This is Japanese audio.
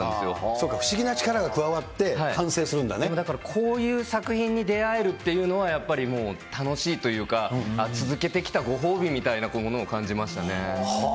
そうか、不思議な力が加わっだからこういう作品に出会えるっていうのは、やっぱり楽しいというか、続けてきたご褒美みたいなものを感じましたね。